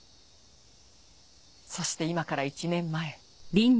そして今から１年前。